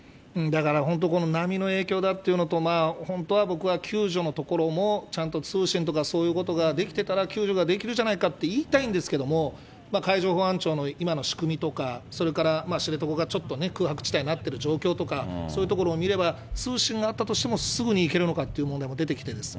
だから本当、波の影響だっていうのと、本当は僕は救助のところも、ちゃんと通信とか、そういうことができてたら、救助ができるじゃないかって言いたいんですけれども、海上保安庁の今の仕組みとか、それから知床がちょっと空白地帯になってる状況とか、そういうところを見れば、通信があったとしても、すぐに行けるのかっていう問題が出てきて。